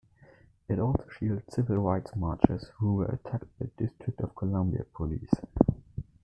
It also shielded civil rights marchers who were attacked by District of Columbia police.